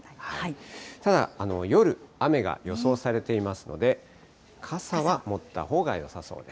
ただ、夜、雨が予想されていますので、傘は持ったほうがよさそうです。